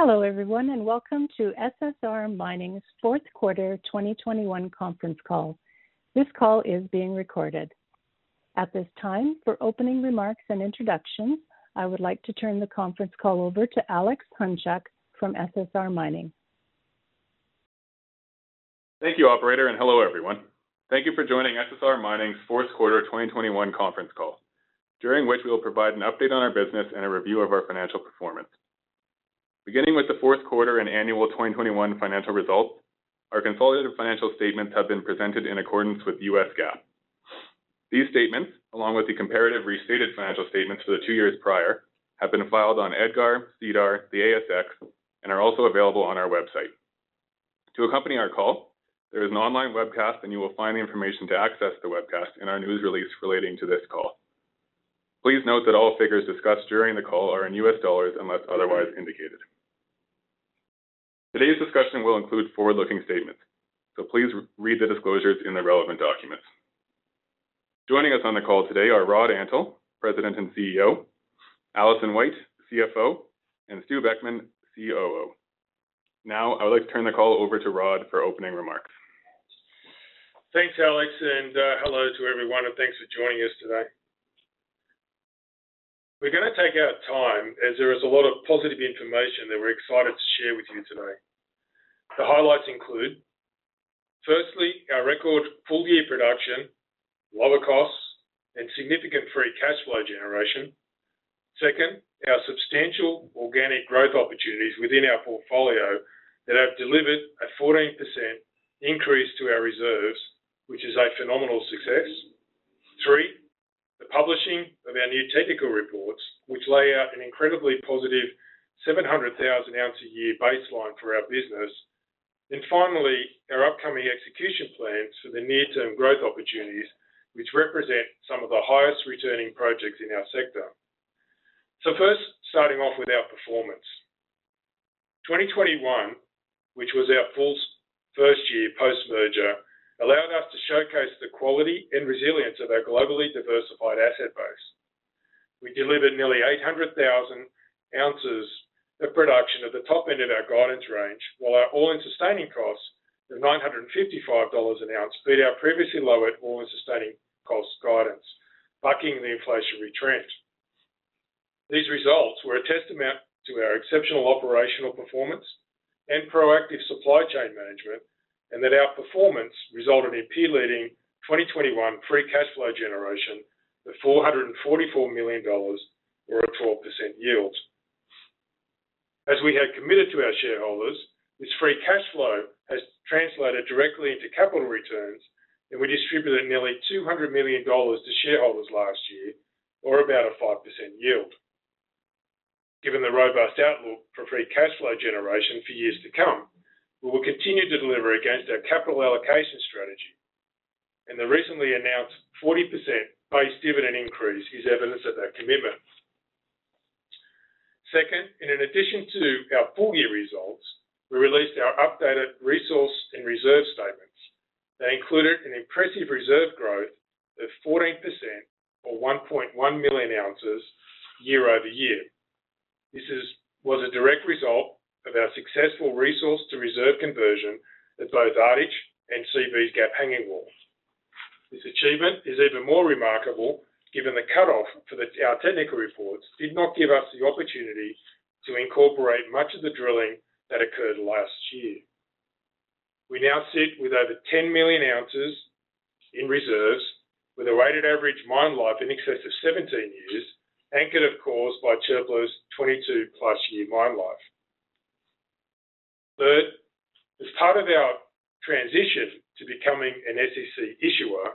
Hello, everyone, and welcome to SSR Mining's Fourth Quarter 2021 Conference Call. This call is being recorded. At this time, for opening remarks and introductions, I would like to turn the conference call over to Alex Hunchak from SSR Mining. Thank you, operator, and hello, everyone. Thank you for joining SSR Mining's fourth quarter 2021 conference call, during which we will provide an update on our business and a review of our financial performance. Beginning with the fourth quarter and annual 2021 financial results, our consolidated financial statements have been presented in accordance with the U.S. GAAP. These statements, along with the comparative restated financial statements for the two years prior, have been filed on EDGAR, SEDAR, the ASX, and are also available on our website. To accompany our call, there is an online webcast, and you will find the information to access the webcast in our news release relating to this call. Please note that all figures discussed during the call are in U.S. dollars, unless otherwise indicated. Today's discussion will include forward-looking statements, so please read the disclosures in the relevant documents. Joining us on the call today are Rod Antal, President and CEO, Alison White, CFO, and Stewart Beckman, COO. Now, I would like to turn the call over to Rod for opening remarks. Thanks, Alex, and hello to everyone, and thanks for joining us today. We're gonna take our time as there is a lot of positive information that we're excited to share with you today. The highlights include, firstly, our record full year production, lower costs, and significant free cash flow generation. Second, our substantial organic growth opportunities within our portfolio that have delivered a 14% increase to our reserves, which is a phenomenal success. Three, the publishing of our new technical reports, which lay out an incredibly positive 700,000 ounce a year baseline for our business. Finally, our upcoming execution plans for the near-term growth opportunities, which represent some of the highest returning projects in our sector. First, starting off with our performance. 2021, which was our full first year post-merger, allowed us to showcase the quality and resilience of our globally diversified asset base. We delivered nearly 800,000 ounces of production at the top end of our guidance range, while our all-in sustaining costs of $955 an ounce beat our previously low all-in sustaining costs guidance, bucking the inflationary trend. These results were a testament to our exceptional operational performance and proactive supply chain management, and that our performance resulted in peer-leading 2021 free cash flow generation of $444 million or a 12% yield. As we had committed to our shareholders, this free cash flow has translated directly into capital returns, and we distributed nearly $200 million to shareholders last year or about a 5% yield. Given the robust outlook for free cash flow generation for years to come, we will continue to deliver against our capital allocation strategy. The recently announced 40% base dividend increase is evidence of that commitment. Second, in addition to our full-year results, we released our updated resource and reserve statements. They included an impressive reserve growth of 14% or 1.1 million ounces year-over-year. This was a direct result of our successful resource to reserve conversion at both Ardich and Gap Hanging Wall. This achievement is even more remarkable given the cutoff for our technical reports did not give us the opportunity to incorporate much of the drilling that occurred last year. We now sit with over 10 million ounces in reserves with a weighted average mine life in excess of 17 years, anchored of course by Çöpler's 22+-year mine life. Third, as part of our transition to becoming an SEC issuer,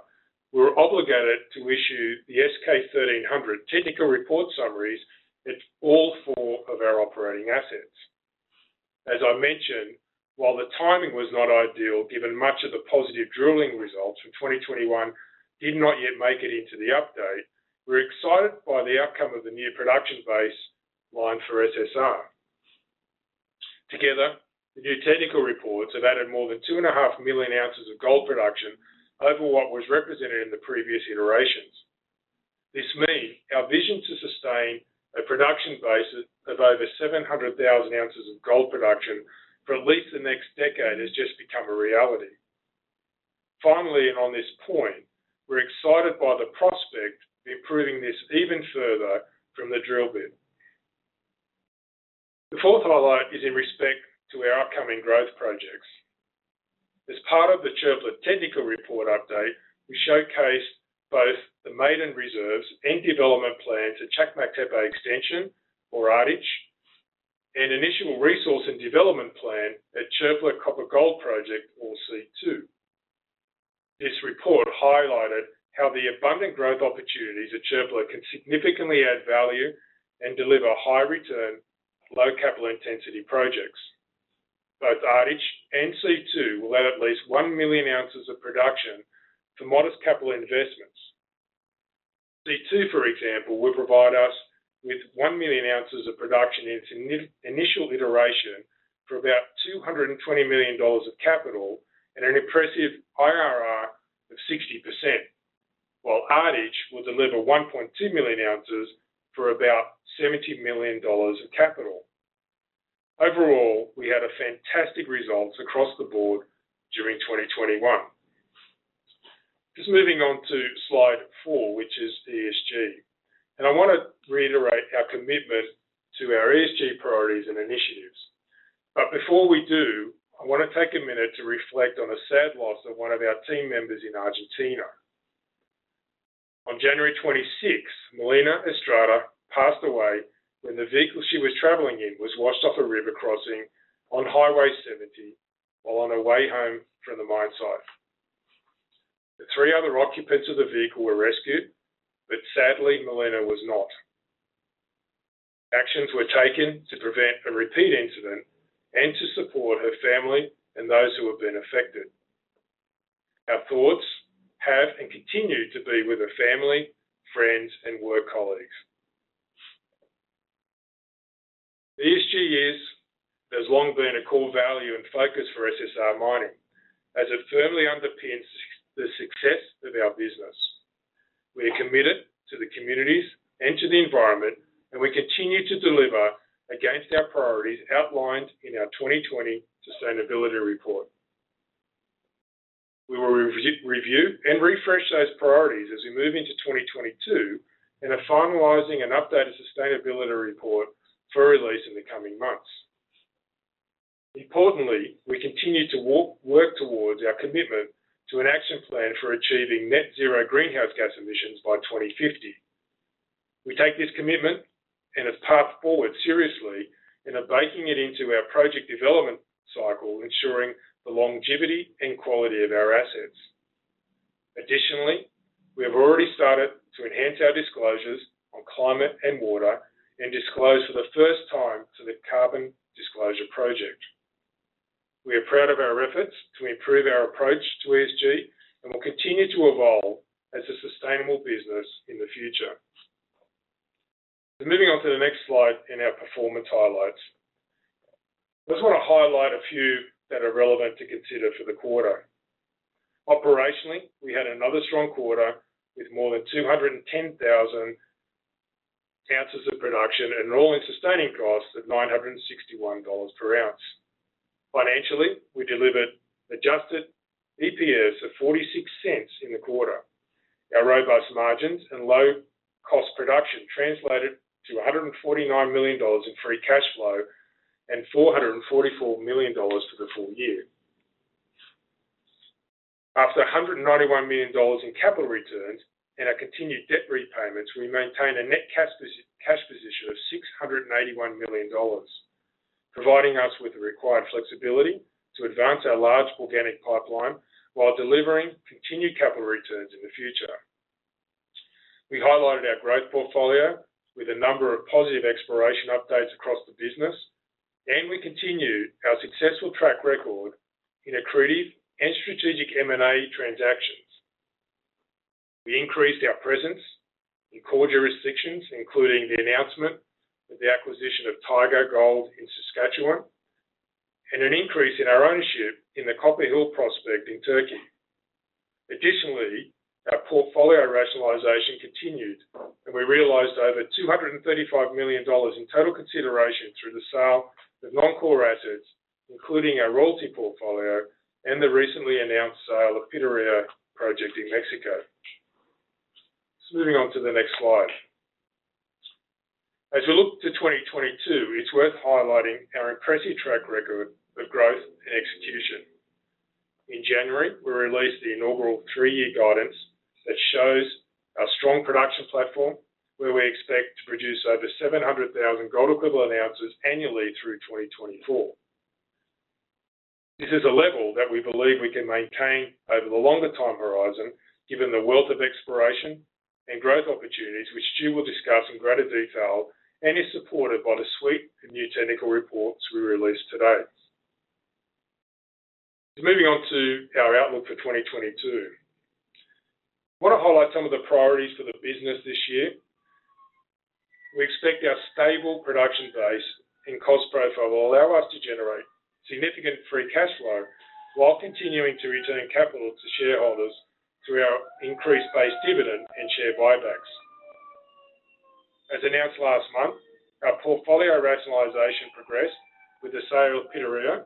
we're obligated to issue the S-K 1300 technical report summaries at all four of our operating assets. As I mentioned, while the timing was not ideal, given much of the positive drilling results from 2021 did not yet make it into the update, we're excited by the outcome of the new production base line for SSR. Together, the new technical reports have added more than 2.5 million ounces of gold production over what was represented in the previous iterations. This means our vision to sustain a production base of over 700,000 ounces of gold production for at least the next decade has just become a reality. Finally, on this point, we're excited by the prospect of improving this even further from the drill bit. The fourth highlight is in respect to our upcoming growth projects. As part of the Çöpler technical report update, we showcased both the maiden reserves and development plan to Çakmaktepe extension or Ardich, an initial resource and development plan at Çöpler Copper Gold Project or C2. This report highlighted how the abundant growth opportunities at Çöpler can significantly add value and deliver high return, low capital intensity projects. Both Ardich and C2 will add at least 1 million ounces of production to modest capital investments. C2, for example, will provide us with 1 million ounces of production in its initial iteration for about $220 million of capital and an impressive IRR of 60%. Ardich will deliver 1.2 million ounces for about $70 million of capital. Overall, we had fantastic results across the board during 2021. Just moving on to slide four, which is ESG. I want to reiterate our commitment to our ESG priorities and initiatives. Before we do, I want to take a minute to reflect on a sad loss of one of our team members in Argentina. On January 26, Malena Estrada passed away when the vehicle she was traveling in was washed off a river crossing on Highway 70 while on her way home from the mine site. The three other occupants of the vehicle were rescued, but sadly, Malena was not. Actions were taken to prevent a repeat incident and to support her family and those who have been affected. Our thoughts have and continue to be with her family, friends, and work colleagues. ESG is, has long been a core value and focus for SSR Mining as it firmly underpins the success of our business. We are committed to the communities and to the environment, and we continue to deliver against our priorities outlined in our 2020 sustainability report. We will review and refresh those priorities as we move into 2022 and are finalizing an updated sustainability report for release in the coming months. Importantly, we continue to work towards our commitment to an action plan for achieving net zero greenhouse gas emissions by 2050. We take this commitment and its path forward seriously and are baking it into our project development cycle, ensuring the longevity and quality of our assets. Additionally, we have already started to enhance our disclosures on climate and water, and disclose for the first time to the Carbon Disclosure Project. We are proud of our efforts to improve our approach to ESG, and will continue to evolve as a sustainable business in the future. Moving on to the next slide in our performance highlights. I just wanna highlight a few that are relevant to consider for the quarter. Operationally, we had another strong quarter with more than 210,000 ounces of production and an all-in sustaining cost of $961 per ounce. Financially, we delivered adjusted EPS of $0.46 in the quarter. Our robust margins and low cost production translated to $149 million in free cash flow and $444 million for the full year. After $191 million in capital returns and our continued debt repayments, we maintain a net cash position of $681 million, providing us with the required flexibility to advance our large organic pipeline while delivering continued capital returns in the future. We highlighted our growth portfolio with a number of positive exploration updates across the business, and we continued our successful track record in accretive and strategic M&A transactions. We increased our presence in core jurisdictions, including the announcement of the acquisition of Taiga Gold in Saskatchewan and an increase in our ownership in the Copper Hill prospect in Turkey. Additionally, our portfolio rationalization continued, and we realized over $235 million in total consideration through the sale of non-core assets, including our royalty portfolio and the recently announced sale of Pitarrilla project in Mexico. Moving on to the next slide. As we look to 2022, it's worth highlighting our impressive track record of growth and execution. In January, we released the inaugural three-year guidance that shows our strong production platform, where we expect to produce over 700,000 gold equivalent ounces annually through 2024. This is a level that we believe we can maintain over the longer time horizon, given the wealth of exploration and growth opportunities, which Stu will discuss in greater detail and is supported by the suite of new technical reports we released today. Moving on to our outlook for 2022. I wanna highlight some of the priorities for the business this year. We expect our stable production base and cost profile will allow us to generate significant free cash flow while continuing to return capital to shareholders through our increased base dividend and share buybacks. As announced last month, our portfolio rationalization progressed with the sale of Pitarrilla,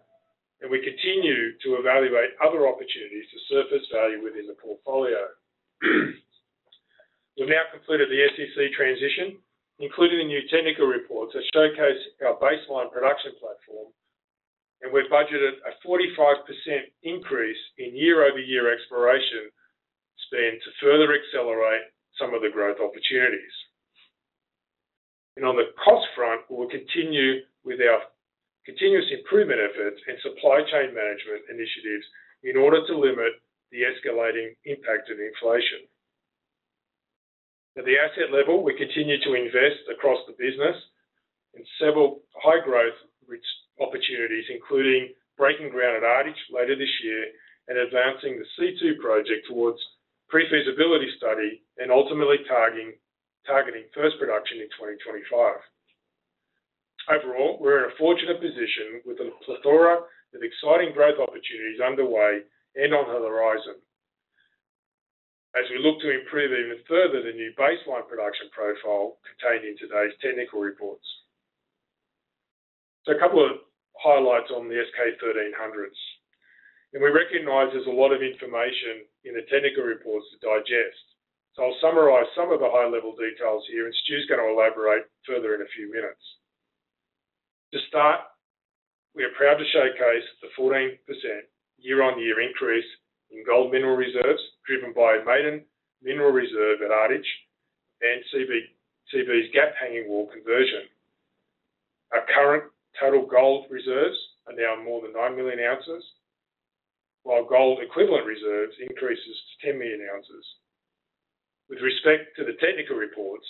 and we continue to evaluate other opportunities to surface value within the portfolio. We've now completed the SEC transition, including the new technical reports that showcase our baseline production platform, and we've budgeted a 45% increase in year-over-year exploration spend to further accelerate some of the growth opportunities. On the cost front, we will continue with our continuous improvement efforts and supply chain management initiatives in order to limit the escalating impact of inflation. At the asset level, we continue to invest across the business in several high growth rich opportunities, including breaking ground at Ardich later this year and advancing the C2 project towards pre-feasibility study and ultimately targeting first production in 2025. Overall, we're in a fortunate position with a plethora of exciting growth opportunities underway and on the horizon. As we look to improve even further the new baseline production profile contained in today's technical reports. A couple of highlights on the S-K 1300, and we recognize there's a lot of information in the technical reports to digest. I'll summarize some of the high-level details here, and Stu's gonna elaborate further in a few minutes. To start, we are proud to showcase the 14% year-over-year increase in gold mineral reserves, driven by Maiden Mineral Reserve at Ardich and Seabee's Gap Hanging Wall conversion. Our current total gold reserves are now more than 9 million ounces, while gold equivalent reserves increases to 10 million ounces. With respect to the technical reports,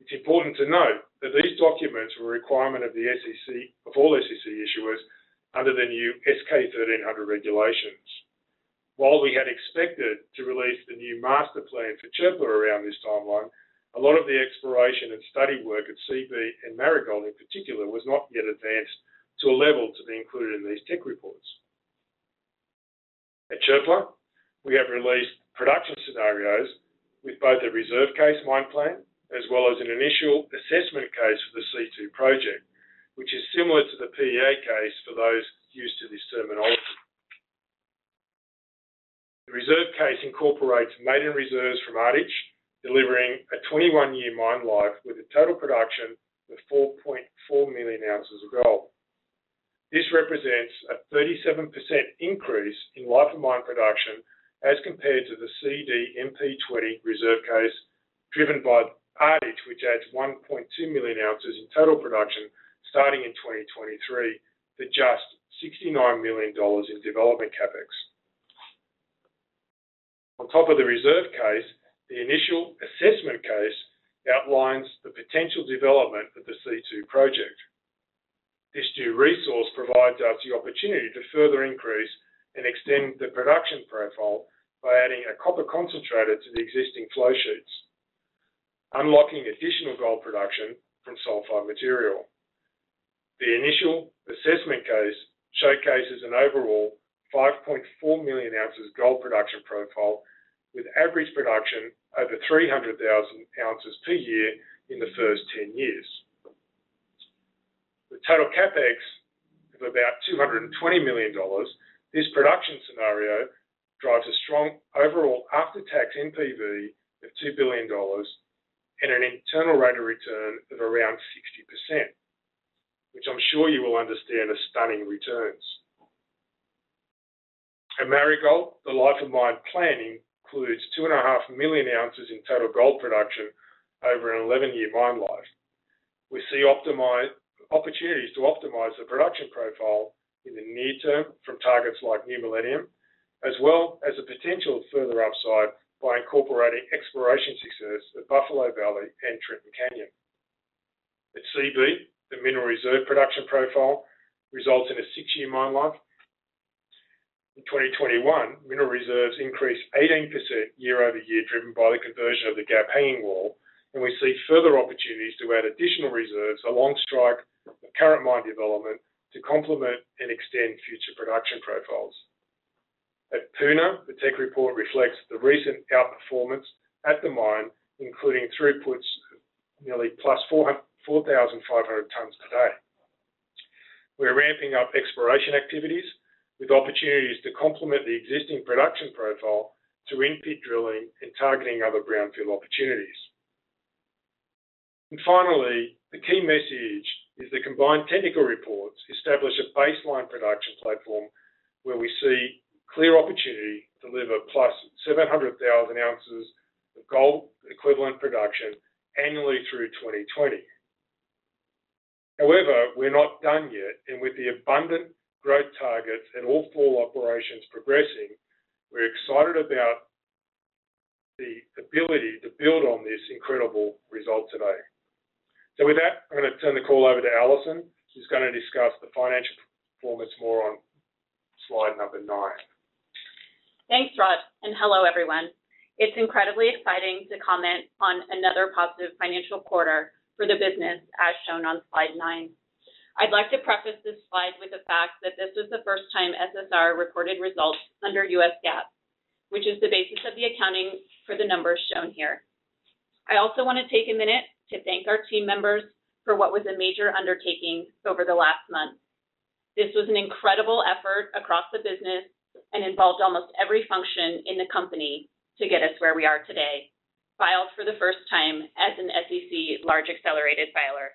it's important to note that these documents were a requirement of the SEC of all SEC issuers under the new S-K 1300 regulations. While we had expected to release the new master plan for Çöpler around this timeline, a lot of the exploration and study work at Seabee and Marigold, in particular, was not yet advanced to a level to be included in these tech reports. At Çöpler, we have released production scenarios with both a reserve case mine plan as well as an initial assessment case for the C2 project, which is similar to the PEA case for those used to this terminology. The reserve case incorporates maiden reserves from Ardich, delivering a 21-year mine life with a total production of 4.4 million ounces of gold. This represents a 37% increase in life of mine production as compared to the CDMP20 reserve case driven by Ardich, which adds 1.2 million ounces in total production starting in 2023 for just $69 million in development CapEx. On top of the reserve case, the initial assessment case outlines the potential development of the C2 project. This new resource provides us the opportunity to further increase and extend the production profile by adding a copper concentrator to the existing flow sheets, unlocking additional gold production from sulfide material. The initial assessment case showcases an overall 5.4 million ounces gold production profile with average production over 300,000 ounces per year in the first 10 years. The total CapEx of about $220 million. This production scenario drives a strong overall after-tax NPV of $2 billion and an internal rate of return of around 60%, which I'm sure you will understand are stunning returns. At Marigold, the life of mine planning includes 2.5 million ounces in total gold production over an eleven-year mine life. We see opportunities to optimize the production profile in the near term from targets like New Millennium, as well as the potential of further upside by incorporating exploration success at Buffalo Valley and Trenton Canyon. At Seabee, the mineral reserve production profile results in a six-year mine life. In 2021, mineral reserves increased 18% year-over-year, driven by the conversion of the Gap Hanging Wall, and we see further opportunities to add additional reserves along strike the current mine development to complement and extend future production profiles. At Puna, the tech report reflects the recent outperformance at the mine, including throughputs of nearly +4,500 tons per day. We're ramping up exploration activities with opportunities to complement the existing production profile through in-pit drilling and targeting other greenfield opportunities. Finally, the key message is the combined technical reports establish a baseline production platform where we see clear opportunity to deliver +700,000 ounces of gold equivalent production annually through 2020. However, we're not done yet, and with the abundant growth targets at all four operations progressing, we're excited about the ability to build on this incredible result today. With that, I'm gonna turn the call over to Alison, who's gonna discuss the financial performance more on slide number nine. Thanks, Rod, and hello, everyone. It's incredibly exciting to comment on another positive financial quarter for the business, as shown on slide nine. I'd like to preface this slide with the fact that this is the first time SSR recorded results under U.S. GAAP, which is the basis of the accounting for the numbers shown here. I also want to take a minute to thank our team members for what was a major undertaking over the last month. This was an incredible effort across the business and involved almost every function in the company to get us where we are today, filed for the first time as an SEC large accelerated filer.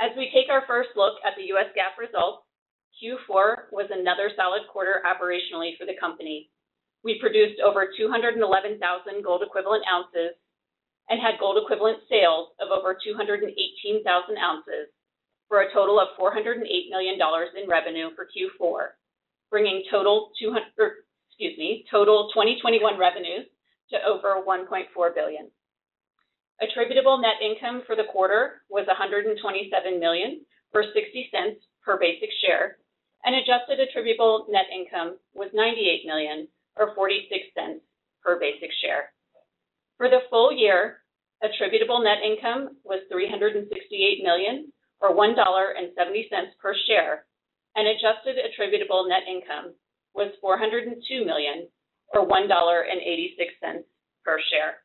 As we take our first look at the U.S. GAAP results, Q4 was another solid quarter operationally for the company. We produced over 211,000 gold equivalent ounces and had gold equivalent sales of over 218,000 ounces for a total of $408 million in revenue for Q4, bringing total 2021 revenues to over $1.4 billion. Attributable net income for the quarter was $127 million, for $0.60 per basic share. Attributable net income was $98 million or $0.46 per basic share. For the full year, attributable net income was $368 million or $1.70 per share, and adjusted attributable net income was $402 million, or $1.86 per share.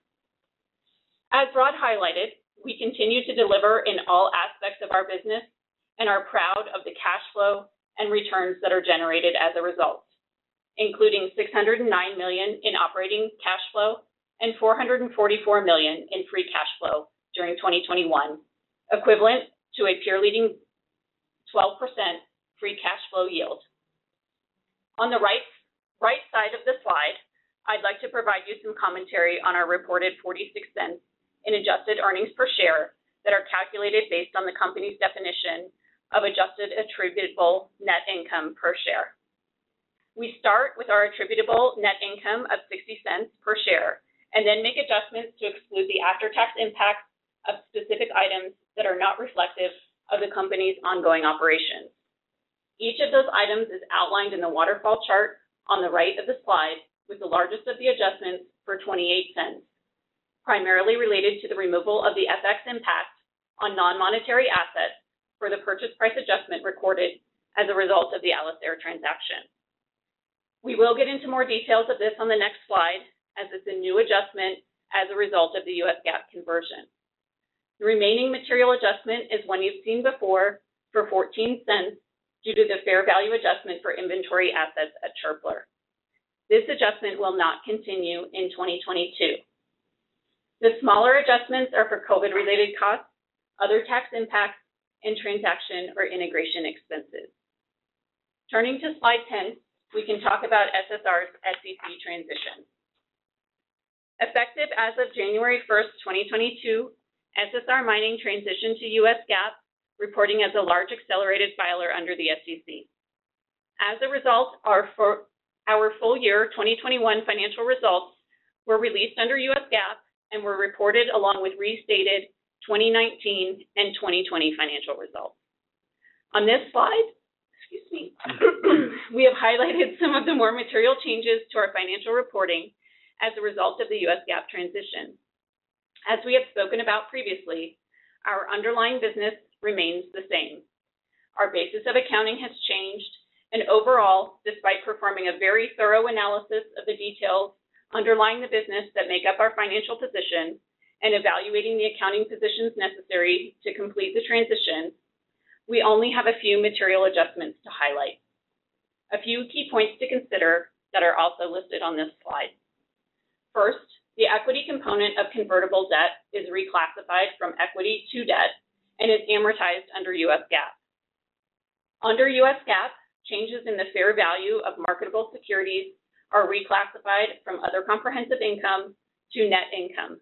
As Rod highlighted, we continue to deliver in all aspects of our business and are proud of the cash flow and returns that are generated as a result, including $609 million in operating cash flow and $444 million in free cash flow during 2021, equivalent to a peer-leading 12% free cash flow yield. On the right side of the slide, I'd like to provide you some commentary on our reported $0.46 in adjusted earnings per share that are calculated based on the company's definition of adjusted attributable net income per share. We start with our attributable net income of $0.60 per share and then make adjustments to exclude the after-tax impact of specific items that are not reflective of the company's ongoing operations. Each of those items is outlined in the waterfall chart on the right of the slide, with the largest of the adjustments for $0.28, primarily related to the removal of the FX impact on non-monetary assets for the purchase price adjustment recorded as a result of the Alacer transaction. We will get into more details of this on the next slide, as it's a new adjustment as a result of the U.S. GAAP conversion. The remaining material adjustment is one you've seen before for $0.14 due to the fair value adjustment for inventory assets at Çöpler. This adjustment will not continue in 2022. The smaller adjustments are for COVID-related costs, other tax impacts, and transaction or integration expenses. Turning to slide 10, we can talk about SSR's SEC transition. Effective as of January 1, 2022, SSR Mining transitioned to U.S. GAAP, reporting as a large accelerated filer under the SEC. As a result, our full year 2021 financial results were released under U.S. GAAP and were reported along with restated 2019 and 2020 financial results. On this slide, excuse me, we have highlighted some of the more material changes to our financial reporting as a result of the U.S. GAAP transition. As we have spoken about previously, our underlying business remains the same. Our basis of accounting has changed and overall, despite performing a very thorough analysis of the details underlying the business that make up our financial position and evaluating the accounting positions necessary to complete the transition, we only have a few material adjustments to highlight. A few key points to consider that are also listed on this slide. First, the equity component of convertible debt is reclassified from equity to debt and is amortized under U.S. GAAP. Under U.S. GAAP, changes in the fair value of marketable securities are reclassified from other comprehensive income to net income.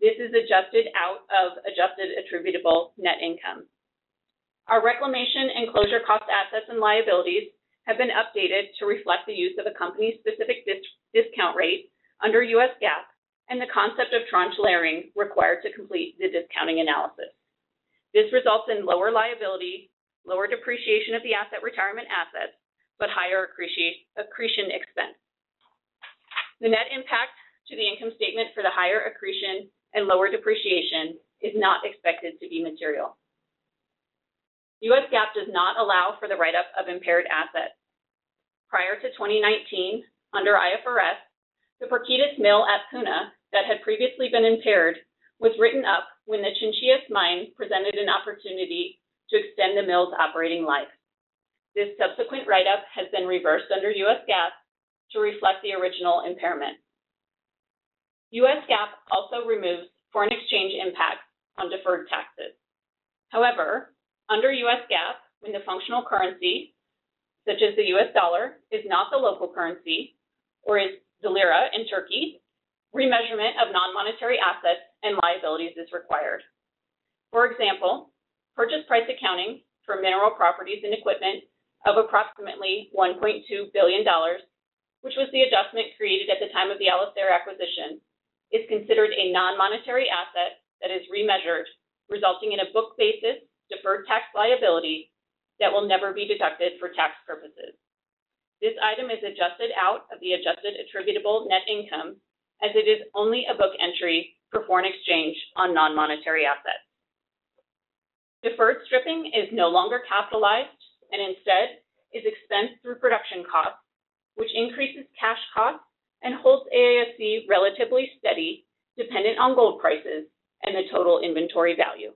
This is adjusted out of adjusted attributable net income. Our reclamation and closure cost assets and liabilities have been updated to reflect the use of a company's specific discount rate under U.S. GAAP and the concept of tranche layering required to complete the discounting analysis. This results in lower liability, lower depreciation of the asset retirement assets, but higher accretion expense. The net impact to the income statement for the higher accretion and lower depreciation is not expected to be material. U.S. GAAP does not allow for the write-up of impaired assets. Prior to 2019, under IFRS, the Pirquitas mill at Puna that had previously been impaired was written up when the Chinchillas mine presented an opportunity to extend the mill's operating life. This subsequent write-up has been reversed under U.S. GAAP to reflect the original impairment. U.S. GAAP also removes foreign exchange impacts on deferred taxes. However, under U.S. GAAP, when the functional currency, such as the U.S. dollar, is not the local currency or is lira in Turkey, remeasurement of non-monetary assets and liabilities is required. For example, purchase price accounting for mineral properties and equipment of approximately $1.2 billion, which was the adjustment created at the time of the Alacer acquisition, is considered a non-monetary asset that is remeasured, resulting in a book basis deferred tax liability that will never be deducted for tax purposes. This item is adjusted out of the adjusted attributable net income as it is only a book entry for foreign exchange on non-monetary assets. Deferred stripping is no longer capitalized and instead is expensed through production costs, which increases cash costs and holds AISC relatively steady, dependent on gold prices and the total inventory value.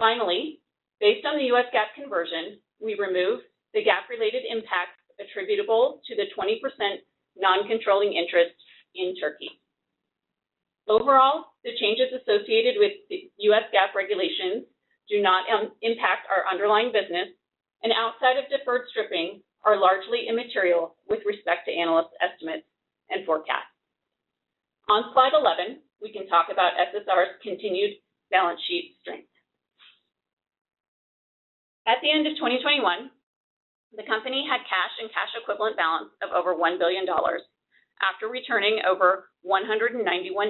Finally, based on the U.S. GAAP conversion, we remove the GAAP-related impacts attributable to the 20% non-controlling interest in Turkey. Overall, the changes associated with the U.S. GAAP regulations do not impact our underlying business and outside of deferred stripping, are largely immaterial with respect to analysts' estimates and forecasts. On slide 11, we can talk about SSR's continued balance sheet strength. At the end of 2021, the company had cash and cash equivalent balance of over $1 billion after returning over $191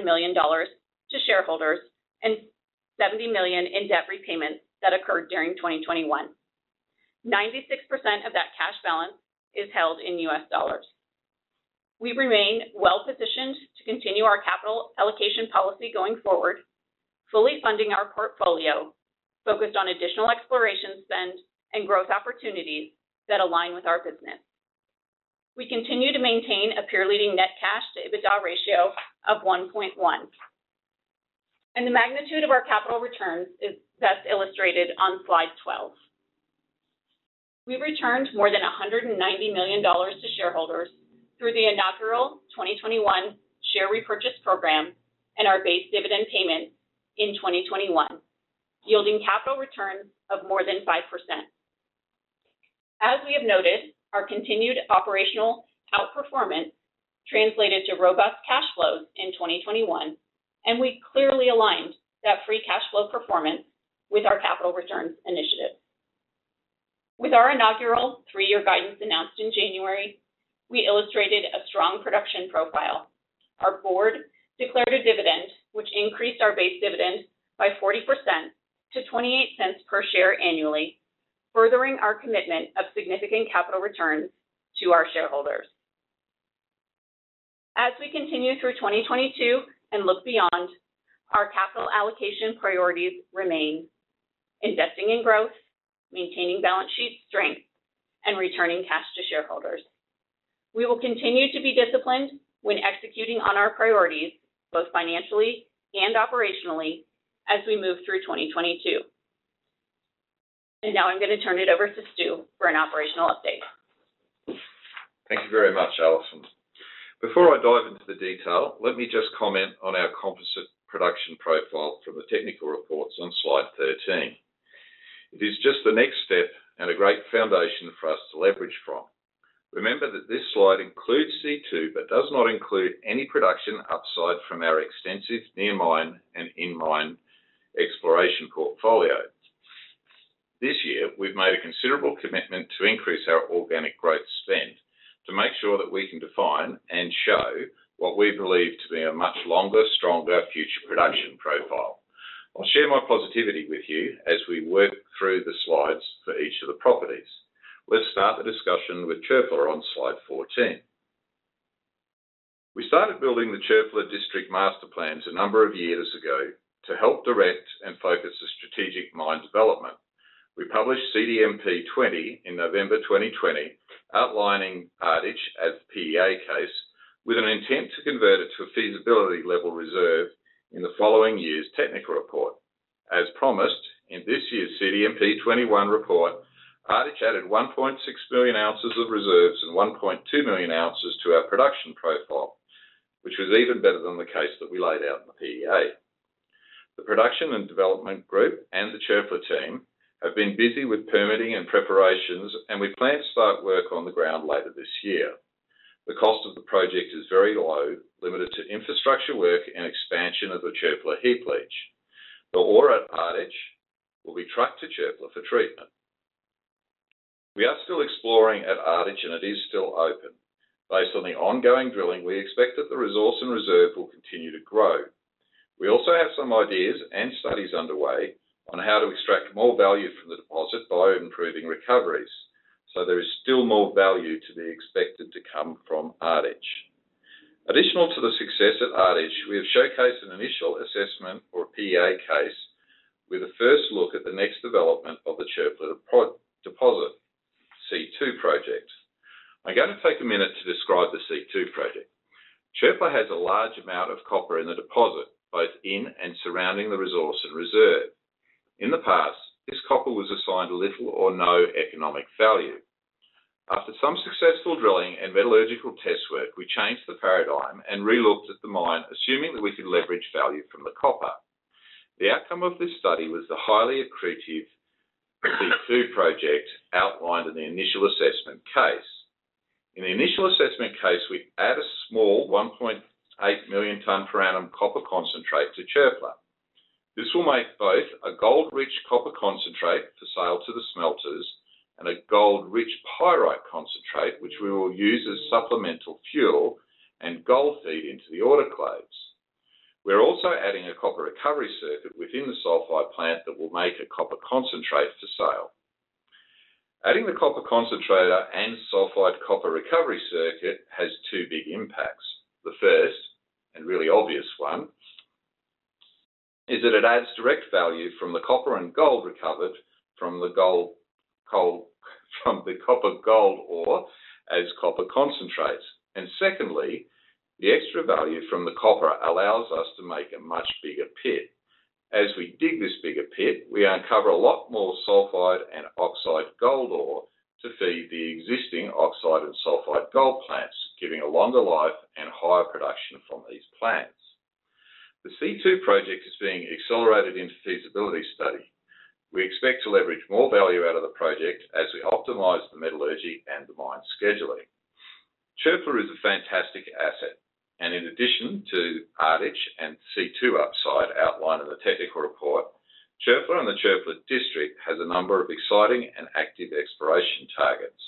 million to shareholders and $70 million in debt repayment that occurred during 2021. 96% of that cash balance is held in U.S. dollars. We remain well positioned to continue our capital allocation policy going forward, fully funding our portfolio focused on additional exploration spend and growth opportunities that align with our business. We continue to maintain a peer leading net cash to EBITDA ratio of 1.1. The magnitude of our capital returns is best illustrated on slide 12. We returned more than $190 million to shareholders through the inaugural 2021 share repurchase program and our base dividend payment in 2021, yielding capital returns of more than 5%. As we have noted, our continued operational outperformance translated to robust cash flows in 2021, and we clearly aligned that free cash flow performance with our capital returns initiative. With our inaugural three-year guidance announced in January, we illustrated a strong production profile. Our board declared a dividend which increased our base dividend by 40% to $0.28 per share annually, furthering our commitment of significant capital returns to our shareholders. As we continue through 2022 and look beyond, our capital allocation priorities remain investing in growth, maintaining balance sheet strength, and returning cash to shareholders. We will continue to be disciplined when executing on our priorities, both financially and operationally as we move through 2022. Now I'm going to turn it over to Stu for an operational update. Thank you very much, Alison. Before I dive into the detail, let me just comment on our composite production profile from the technical reports on slide 13. It is just the next step and a great foundation for us to leverage from. Remember that this slide includes C2, but does not include any production upside from our extensive near mine and in mine exploration portfolio. This year, we've made a considerable commitment to increase our organic growth spend to make sure that we can define and show what we believe to be a much longer, stronger future production profile. I'll share my positivity with you as we work through the slides for each of the properties. Let's start the discussion with Çöpler on slide 14. We started building the Çöpler District master plans a number of years ago to help direct and focus the strategic mine development. We published CDMP20 in November 2020, outlining Ardich as PEA case with an intent to convert it to a feasibility level reserve in the following year's technical report. As promised, in this year's CDMP21 report, Ardich added 1.6 million ounces of reserves and 1.2 million ounces to our production profile, which was even better than the case that we laid out in the PEA. The production and development group and the Çöpler team have been busy with permitting and preparations, and we plan to start work on the ground later this year. The cost of the project is very low, limited to infrastructure work and expansion of the Çöpler heap leach. The ore at Ardich will be trucked to Çöpler for treatment. We are still exploring at Ardich, and it is still open. Based on the ongoing drilling, we expect that the resource and reserve will continue to grow. We also have some ideas and studies underway on how to extract more value from the deposit by improving recoveries. There is still more value to be expected to come from Ardich. In addition to the success at Ardich, we have showcased an initial assessment or PEA case with a first look at the next development of the Çöpler deposit, C2 projects. I'm going to take a minute to describe the C2 project. Çöpler has a large amount of copper in the deposit, both in and surrounding the resource and reserve. In the past, this copper was assigned little or no economic value. After some successful drilling and metallurgical test work, we changed the paradigm and re-looked at the mine, assuming that we could leverage value from the copper. The outcome of this study was the highly accretive C2 project outlined in the initial assessment case. In the initial assessment case, we add a small 1.8 million ton per annum copper concentrate to Çöpler. This will make both a gold-rich copper concentrate to sell to the smelters and a gold-rich pyrite concentrate, which we will use as supplemental fuel and gold feed into the autoclaves. We're also adding a copper recovery circuit within the sulfide plant that will make a copper concentrate for sale. Adding the copper concentrator and sulfide copper recovery circuit has two big impacts. The first, and really obvious one, is that it adds direct value from the copper and gold recovered from the copper/gold ore as copper concentrates. Secondly, the extra value from the copper allows us to make a much bigger pit. As we dig this bigger pit, we uncover a lot more sulfide and oxide gold ore to feed the existing oxide and sulfide gold plants, giving a longer life and higher production from these plants. The C2 project is being accelerated into feasibility study. We expect to leverage more value out of the project as we optimize the metallurgy and the mine scheduling. Çöpler is a fantastic asset, and in addition to Ardich and C2 upside outlined in the technical report, Çöpler and the Çöpler District has a number of exciting and active exploration targets.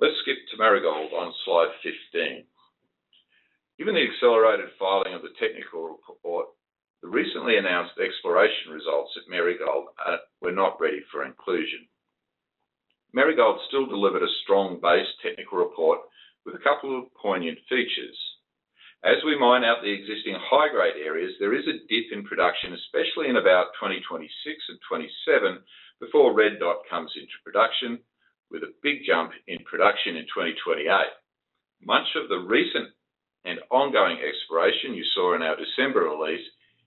Let's skip to Marigold on slide 15. Given the accelerated filing of the technical report, the recently announced exploration results at Marigold were not ready for inclusion. Marigold still delivered a strong base technical report with a couple of poignant features. As we mine out the existing high-grade areas, there is a dip in production, especially in about 2026 and 2027, before Red Dot comes into production, with a big jump in production in 2028. Much of the recent and ongoing exploration you saw in our December release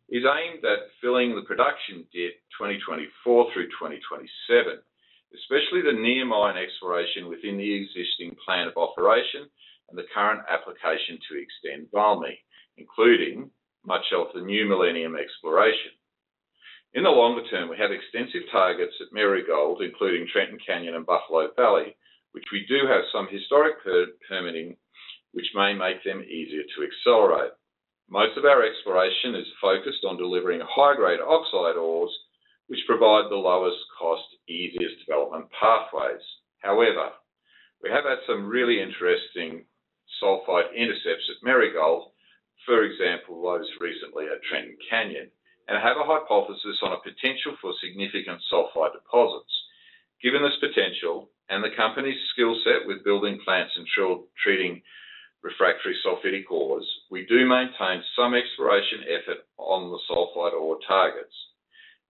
is aimed at filling the production dip 2024 through 2027, especially the near mine exploration within the existing plan of operation and the current application to extend Valmy, including much of the New Millennium exploration. In the longer term, we have extensive targets at Marigold, including Trenton Canyon and Buffalo Valley, which we do have some historic pre-permitting, which may make them easier to accelerate. Most of our exploration is focused on delivering high-grade oxide ores, which provide the lowest cost, easiest development pathways. However, we have had some really interesting sulfide intercepts at Marigold, for example, those recently at Trenton Canyon, and have a hypothesis on a potential for significant sulfide deposits. Given this potential and the company's skill set with building plants and treating refractory sulfidic ores, we do maintain some exploration effort on the sulfide ore targets.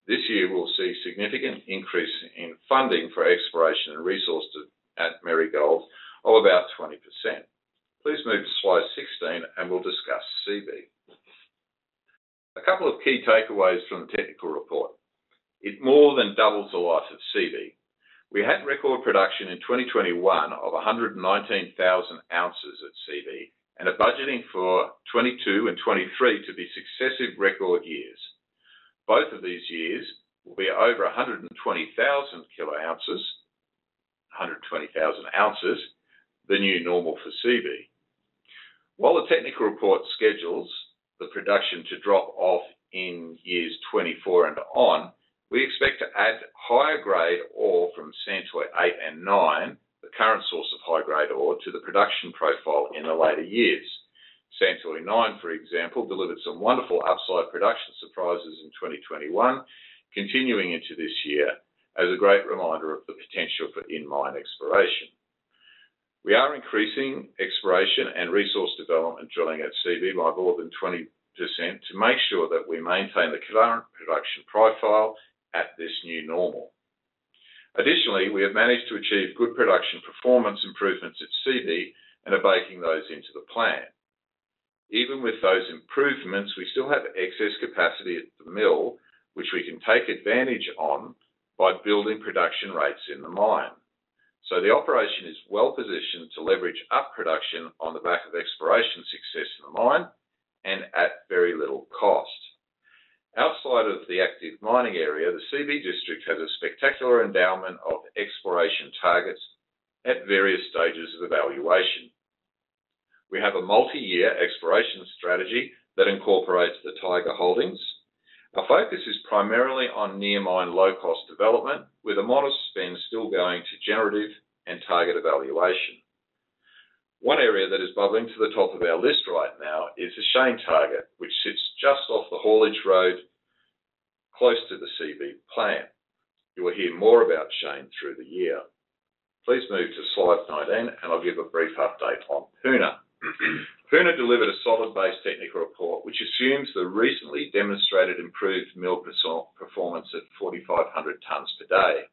This year, we'll see significant increase in funding for exploration and resource at Marigold of about 20%. Please move to slide 16 and we'll discuss Seabee. A couple of key takeaways from the technical report. It more than doubles the life of Seabee. We had record production in 2021 of 119,000 ounces at Seabee and are budgeting for 2022 and 2023 to be successive record years. Both of these years will be over 120,000 ounces, 120,000 ounces, the new normal for Seabee. While the technical report schedules the production to drop off in years 2024 and on, we expect to add higher-grade ore from Santoy 8 and 9, the current source of high-grade ore, to the production profile in the later years. Santoy 9, for example, delivered some wonderful upside production surprises in 2021, continuing into this year as a great reminder of the potential for in-mine exploration. We are increasing exploration and resource development drilling at Seabee by more than 20% to make sure that we maintain the current production profile at this new normal. Additionally, we have managed to achieve good production performance improvements at Seabee and are baking those into the plan. Even with those improvements, we still have excess capacity at the mill, which we can take advantage on by building production rates in the mine. The operation is well-positioned to leverage up production on the back of exploration success in the mine and at very little cost. Outside of the active mining area, the Seabee District has a spectacular endowment of exploration targets at various stages of evaluation. We have a multi-year exploration strategy that incorporates the T holdings. Our focus is primarily on near mine low cost development with a modest spend still going to generative and target evaluation. One area that is bubbling to the top of our list right now is the Shane target, which sits just off the Haulage Road close to the Seabee plant. You will hear more about Shane through the year. Please move to slide 19 and I'll give a brief update on Puna. Puna delivered a solid base technical report, which assumes the recently demonstrated improved mill performance at 4,500 tons per day.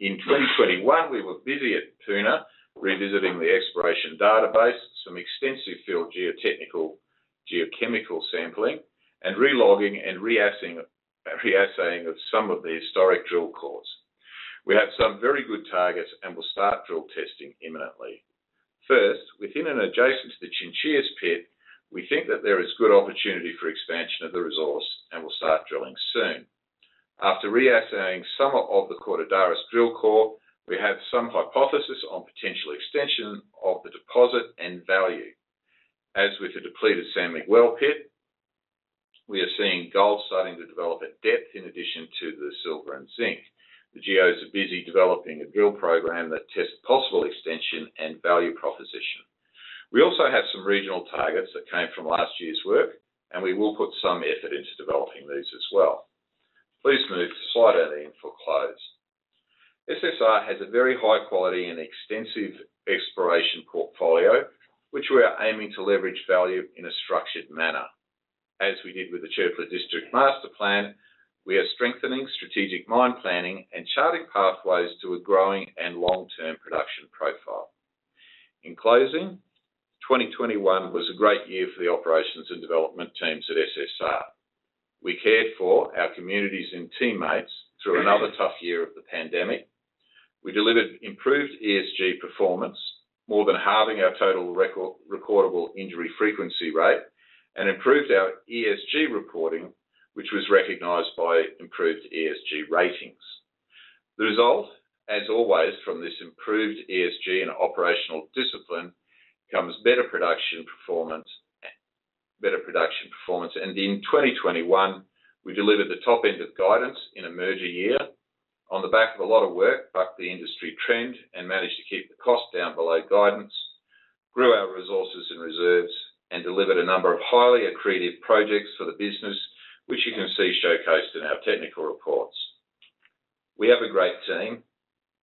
In 2021, we were busy at Puna revisiting the exploration database, some extensive field geotechnical, geochemical sampling, and re-logging and re-assaying of some of the historic drill cores. We have some very good targets and will start drill testing imminently. First, within and adjacent to the Chinchillas pit, we think that there is good opportunity for expansion of the resource and will start drilling soon. After re-assaying some of the Cortaderas drill core, we have some hypothesis on potential extension of the deposit and value. As with the depleted San Miguel pit, we are seeing gold starting to develop at depth in addition to the silver and zinc. The geos are busy developing a drill program that tests possible extension and value proposition. We also have some regional targets that came from last year's work, and we will put some effort into developing these as well. Please move to slide 20 for close. SSR has a very high quality and extensive exploration portfolio, which we are aiming to leverage value in a structured manner. As we did with the Çöpler District Master Plan, we are strengthening strategic mine planning and charting pathways to a growing and long-term production profile. In closing, 2021 was a great year for the operations and development teams at SSR. We cared for our communities and teammates through another tough year of the pandemic. We delivered improved ESG performance, more than halving our total recordable injury frequency rate, and improved our ESG reporting, which was recognized by improved ESG ratings. The result, as always, from this improved ESG and operational discipline, comes better production performance. In 2021, we delivered the top end of guidance in a merger year on the back of a lot of work, bucked the industry trend and managed to keep the cost down below guidance, grew our resources and reserves, and delivered a number of highly accretive projects for the business, which you can see showcased in our technical reports. We have a great team,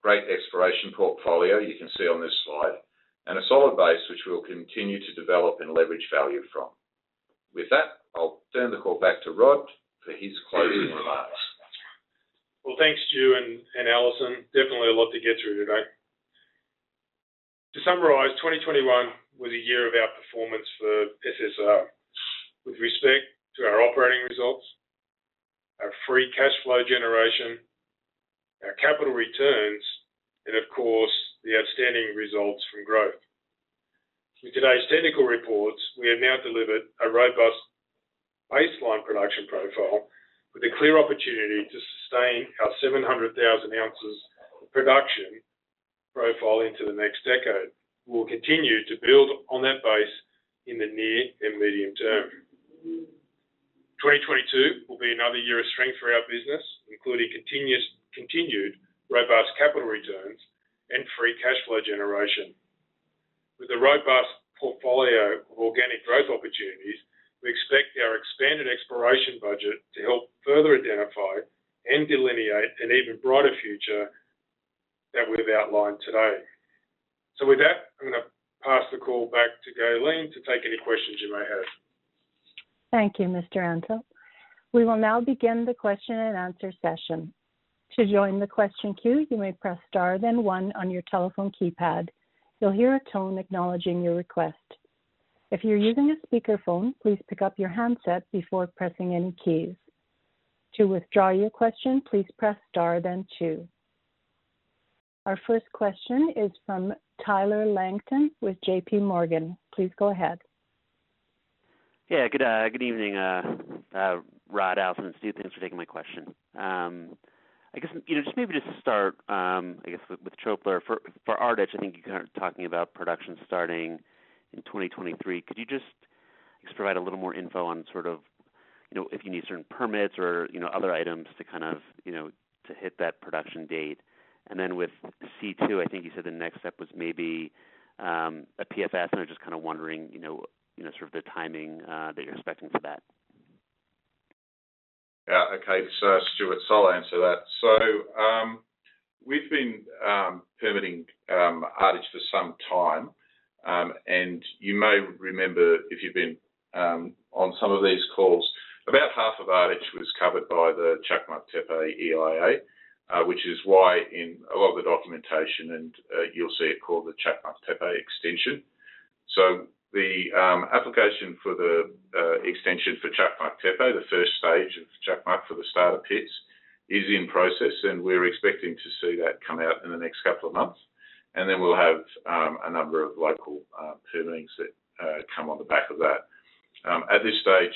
great exploration portfolio, you can see on this slide, and a solid base, which we'll continue to develop and leverage value from. With that, I'll turn the call back to Rod for his closing remarks. Well, thanks, Stu and Alison. Definitely a lot to get through today. To summarize, 2021 was a year of outperformance for SSR with respect to our operating results, our free cash flow generation, our capital returns, and of course, the outstanding results from growth. With today's technical reports, we have now delivered a robust baseline production profile with a clear opportunity to sustain our 700,000 ounces production profile into the next decade. We'll continue to build on that base in the near and medium term. 2022 will be another year of strength for our business, including continued robust capital returns and free cash flow generation. With a robust portfolio of organic growth opportunities, we expect our expanded exploration budget to help further identify and delineate an even brighter future that we've outlined today. With that, I'm gonna pass the call back to Galene to take any questions you may have. Thank you, Mr. Antal. We will now begin the question and answer session. To join the question queue, you may press star then one on your telephone keypad. You'll hear a tone acknowledging your request. If you're using a speakerphone, please pick up your handset before pressing any keys. To withdraw your question, please press star then two. Our first question is from Tyler Langton with JPMorgan. Please go ahead. Good evening, Rod, Alison, and Stu. Thanks for taking my question. I guess, you know, just maybe to start, I guess with Çöpler. For Ardich, I think you're kind of talking about production starting in 2023. Could you just provide a little more info on sort of, you know, if you need certain permits or, you know, other items to kind of, you know, to hit that production date? With C2, I think you said the next step was maybe a PFS. I'm just kind of wondering, you know, sort of the timing that you're expecting for that. Yeah. Okay. Stuart, I'll answer that. We've been permitting Ardich for some time, and you may remember if you've been on some of these calls, about half of Ardich was covered by the Çakmaktepe EIA, which is why in a lot of the documentation and, you'll see it called the Çakmaktepe extension. The application for the extension for Çakmaktepe, the first stage of Çakmaktepe for the starter pits, is in process, and we're expecting to see that come out in the next couple of months. Then we'll have a number of local permitings that come on the back of that. At this stage,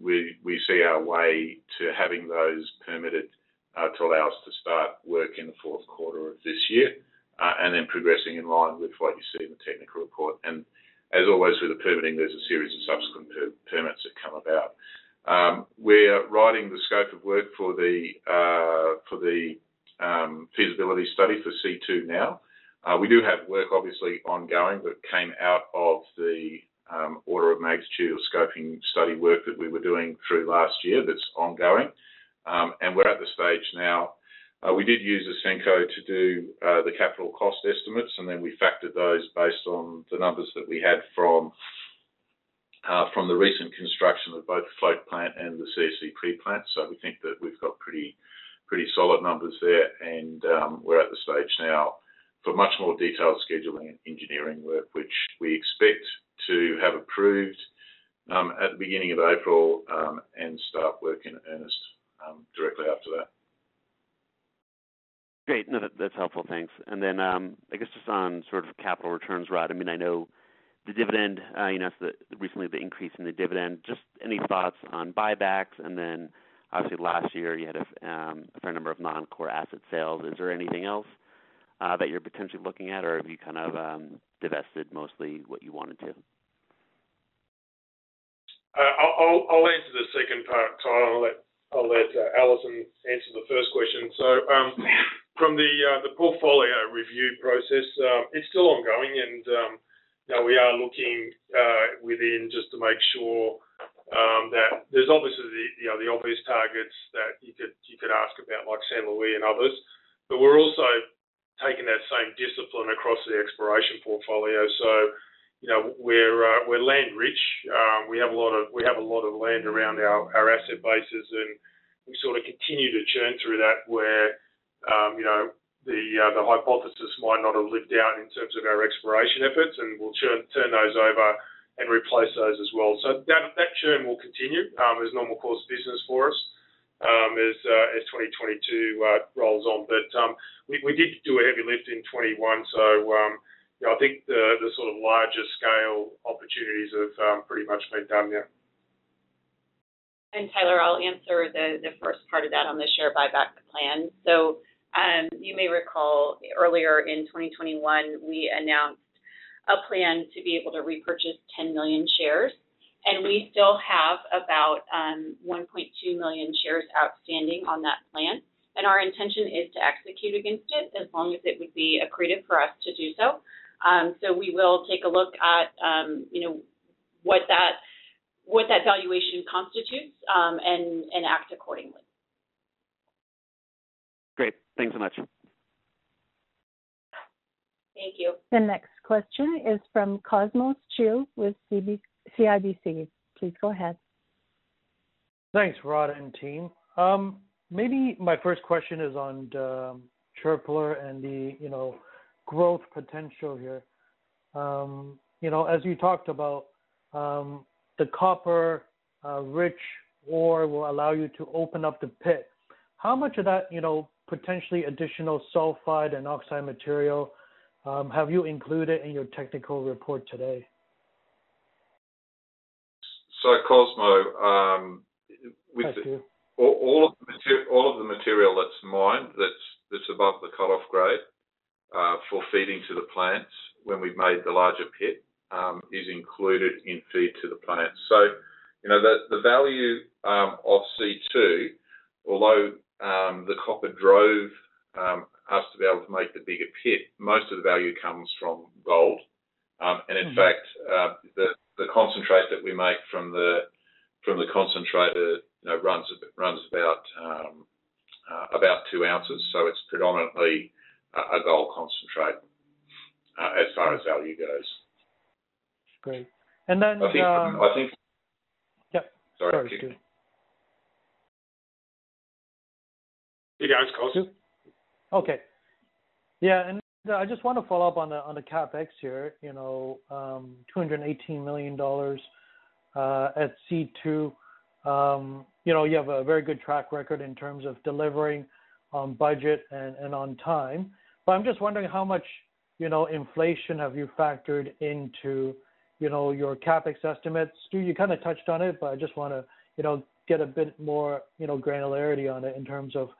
we see our way to having those permitted, to allow us to start work in the fourth quarter of this year, and then progressing in line with what you see in the technical report. As always, with the permitting, there's a series of subsequent permits that come about. We're writing the scope of work for the feasibility study for C2 now. We do have work obviously ongoing that came out of the order of magnitude or scoping study work that we were doing through last year that's ongoing. We're at the stage now. We did use Ausenco to do the capital cost estimates, and then we factored those based on the numbers that we had from the recent construction of both the float plant and the CIC plant. We think that we've got pretty solid numbers there. We're at the stage now for much more detailed scheduling and engineering work, which we expect to have approved at the beginning of April and start work in earnest directly after that. Great. No, that's helpful. Thanks. I guess just on sort of capital returns, Rod, I mean, I know the dividend, you announced recently the increase in the dividend. Just any thoughts on buybacks? Obviously last year you had a fair number of non-core asset sales. Is there anything else that you're potentially looking at or have you kind of divested mostly what you wanted to? I'll answer the second part, Tyler. I'll let Alison answer the first question. From the portfolio review process, it's still ongoing and, you know, we are looking within just to make sure that there's obviously the obvious targets that you could ask about like San Luis and others, but we're also taking that same discipline across the exploration portfolio. You know, we're land rich. We have a lot of land around our asset bases, and we sort of continue to churn through that where, you know, the hypothesis might not have lived out in terms of our exploration efforts, and we'll turn those over and replace those as well. That churn will continue as normal course of business for us as 2022 rolls on. We did do a heavy lift in 2021. You know, I think the sort of larger scale opportunities have pretty much been done now. Tyler, I'll answer the first part of that on the share buyback plan. You may recall earlier in 2021, we announced a plan to be able to repurchase 10 million shares, and we still have about 1.2 million shares outstanding on that plan. Our intention is to execute against it as long as it would be accretive for us to do so. We will take a look at, you know, what that valuation constitutes, and act accordingly. Great. Thanks so much. Thank you. The next question is from Cosmos Chiu with CIBC. Please go ahead. Thanks, Rod and team. Maybe my first question is on the Çöpler and the, you know, growth potential here. You know, as you talked about, the copper rich ore will allow you to open up the pit. How much of that, you know, potentially additional sulfide and oxide material have you included in your technical report today? So Cosmo, um, with the... Thank you. All of the material that's mined, that's above the cut-off grade, for feeding to the plants when we've made the larger pit, is included in feed to the plant. You know, the value of C2, although the copper drove us to be able to make the bigger pit, most of the value comes from gold. In fact, the concentrate that we make from the concentrator, you know, runs about two ounces. It's predominantly a gold concentrate, as far as value goes. Great. I think. Yeah. Sorry. Sorry, Stuart. You go, Cosmos. Okay. Yeah. I just want to follow up on the CapEx here. You know, $218 million at C2. You know, you have a very good track record in terms of delivering on budget and on time. But I'm just wondering how much, you know, inflation have you factored into, you know, your CapEx estimates. Stuart, you kinda touched on it, but I just wanna, you know, get a bit more, you know, granularity on it in terms of,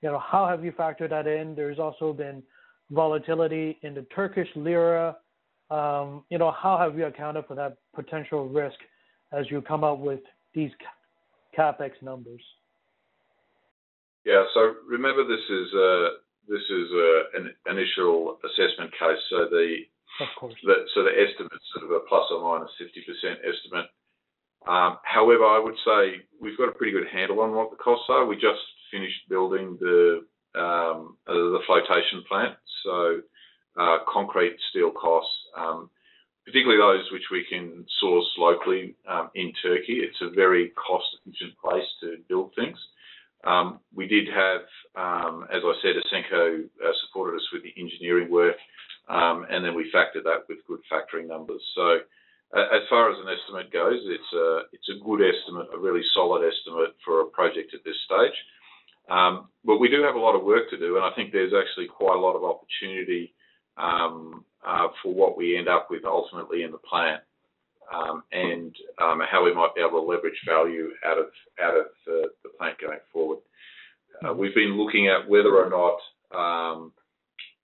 you know, how have you factored that in. There's also been volatility in the Turkish lira. You know, how have you accounted for that potential risk as you come up with these CapEx numbers? Yeah. Remember this is an initial assessment case. The- Of course. The estimate's sort of a ±50% estimate. However, I would say we've got a pretty good handle on what the costs are. We just finished building the flotation plant, concrete, steel costs, particularly those which we can source locally, in Turkey. It's a very cost-efficient place to build things. We did have, as I said, Ausenco supported us with the engineering work. Then we factored that with good factoring numbers. As far as an estimate goes, it's a good estimate, a really solid estimate for a project at this stage. We do have a lot of work to do, and I think there's actually quite a lot of opportunity for what we end up with ultimately in the plant, and how we might be able to leverage value out of the plant going forward. We've been looking at whether or not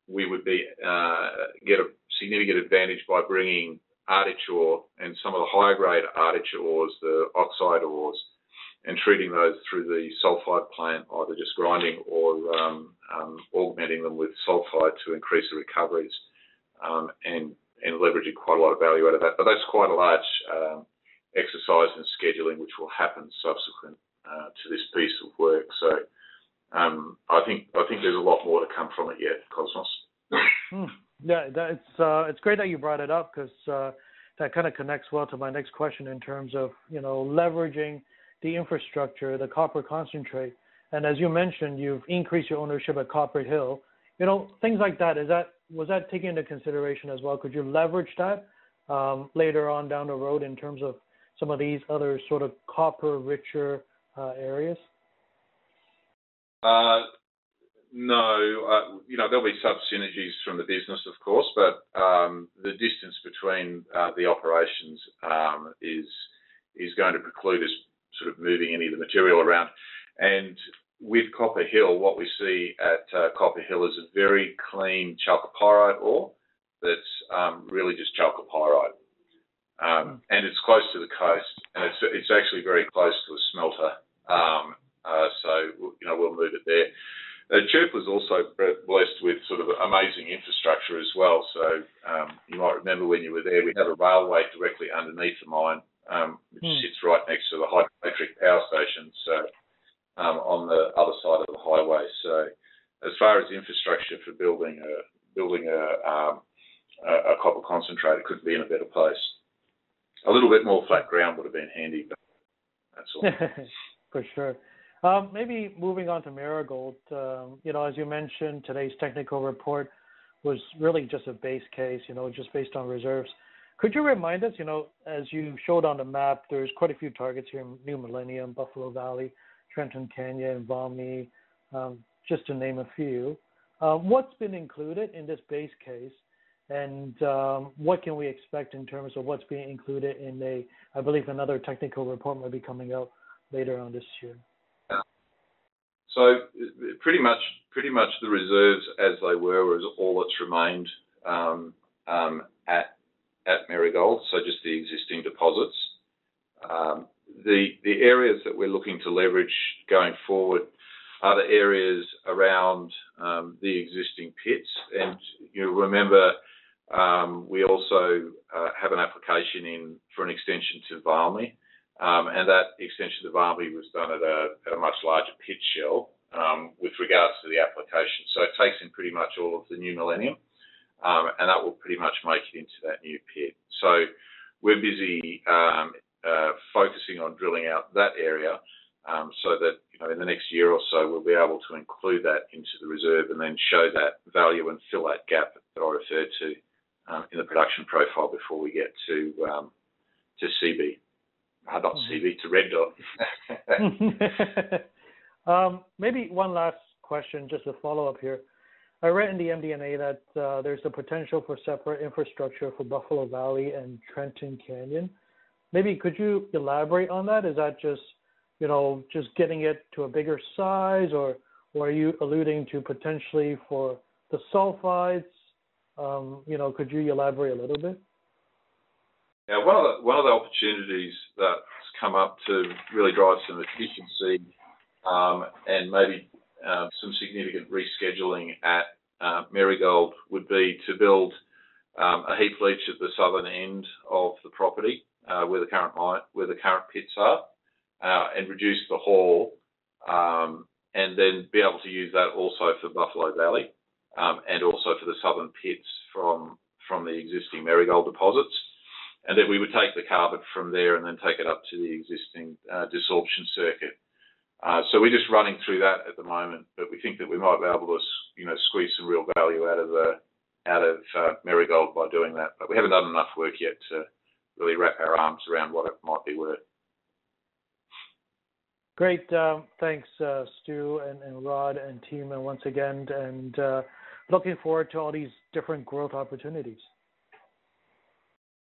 we would get a significant advantage by bringing Ardich ore and some of the higher grade Ardich ores, the oxide ores, and treating those through the sulfide plant, either just grinding or augmenting them with sulfide to increase the recoveries, and leveraging quite a lot of value out of that. That's quite a large exercise in scheduling, which will happen subsequent to this piece of work. I think there's a lot more to come from it yet, Cosmos. Yeah. That's, it's great that you brought it up 'cause, that kinda connects well to my next question in terms of, you know, leveraging the infrastructure, the copper concentrate. As you mentioned, you've increased your ownership at Copper Hill. You know, things like that, was that taken into consideration as well? Could you leverage that, later on down the road in terms of some of these other sort of copper richer, areas? No. You know, there'll be some synergies from the business of course, but the distance between the operations is going to preclude us sort of moving any of the material around. With Çöpler, what we see at Çöpler is a very clean chalcopyrite ore that's really just chalcopyrite. And it's close to the coast, and it's actually very close to the smelter. You know, we'll move it there. Çöpler was also blessed with sort of amazing infrastructure as well. You might remember when you were there, we had a railway directly underneath the mine. Mm. which sits right next to the hydroelectric power station, on the other side of the highway. As far as infrastructure for building a copper concentrator, couldn't be in a better place. A little bit more flat ground would've been handy, but that's all. For sure. Maybe moving on to Marigold. You know, as you mentioned, today's technical report was really just a base case, you know, just based on reserves. Could you remind us, you know, as you showed on the map, there's quite a few targets here, New Millennium, Buffalo Valley, Trenton Canyon, Valmy, just to name a few. What's been included in this base case? What can we expect in terms of what's being included? I believe another technical report will be coming out later on this year. Pretty much the reserves as they were is all that's remained at Marigold. Just the existing deposits. The areas that we're looking to leverage going forward are the areas around the existing pits. You remember we also have an application in for an extension to Valmy. That extension to Valmy was done at a much larger pit shell with regards to the application. It takes in pretty much all of the New Millennium and that will pretty much make it into that new pit. We're busy focusing on drilling out that area so that, you know, in the next year or so, we'll be able to include that into the reserve and then show that value and fill that gap that I referred to in the production profile before we get to Red Dot. Maybe one last question, just a follow-up here. I read in the MD&A that there's the potential for separate infrastructure for Buffalo Valley and Trenton Canyon. Maybe could you elaborate on that? Is that just, you know, just getting it to a bigger size or are you alluding to potentially for the sulfides? You know, could you elaborate a little bit? Yeah. One of the opportunities that's come up to really drive some efficiency, and maybe some significant rescheduling at Marigold, would be to build a heap leach at the southern end of the property, where the current pits are, and reduce the haul, and then be able to use that also for Buffalo Valley, and also for the southern pits from the existing Marigold deposits. Then we would take the carpet from there and then take it up to the existing desorption circuit. So we're just running through that at the moment, but we think that we might be able to, you know, squeeze some real value out of Marigold by doing that. We haven't done enough work yet to really wrap our arms around what it might be worth. Great. Thanks, Stu and Rod and team, and once again, looking forward to all these different growth opportunities.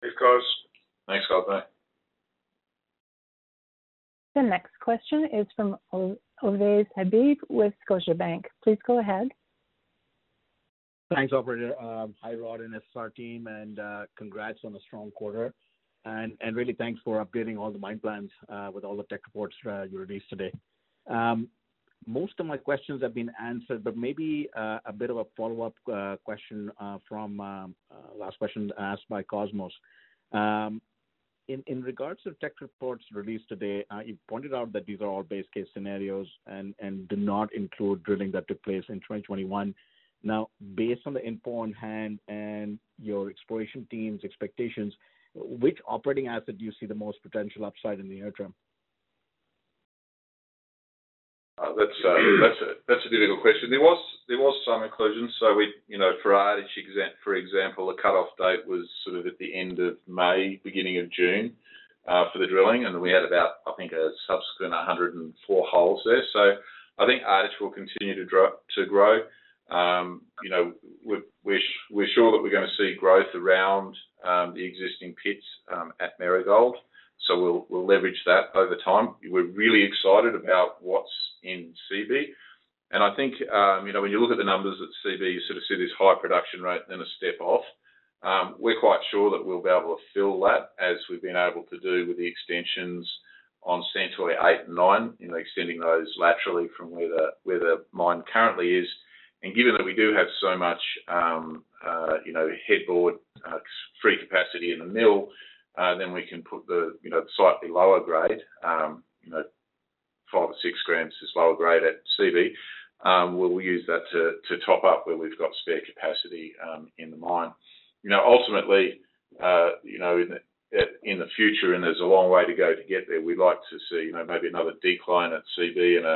Thanks, Cosmos. Thanks, Cosmos. The next question is from Ovais Habib with Scotiabank. Please go ahead. Thanks, operator. Hi, Rod and SSR team, congrats on a strong quarter. Really thanks for updating all the mine plans with all the tech reports you released today. Most of my questions have been answered, but maybe a bit of a follow-up question from last question asked by Cosmos. In regards to tech reports released today, you pointed out that these are all base case scenarios and do not include drilling that took place in 2021. Now, based on the info on hand and your exploration team's expectations, which operating asset do you see the most potential upside in the near term? That's a difficult question. There was some inclusion. You know, for Ardich, for example, the cutoff date was sort of at the end of May, beginning of June, for the drilling. We had about, I think, a subsequent 104 holes there. I think Ardich will continue to grow. You know, we're sure that we're gonna see growth around the existing pits at Marigold. We'll leverage that over time. We're really excited about what's in Seabee. I think, you know, when you look at the numbers at Seabee, you sort of see this high production rate, then a step off. We're quite sure that we'll be able to fill that as we've been able to do with the extensions on Santoy 8 and 9, you know, extending those laterally from where the mine currently is. Given that we do have so much, you know, headroom free capacity in the mill, then we can put the, you know, slightly lower grade, you know, 5 or 6 grams is lower grade at Seabee. We'll use that to top up where we've got spare capacity in the mine. You know, ultimately, you know, in the future, and there's a long way to go to get there, we'd like to see, you know, maybe another decline at Seabee and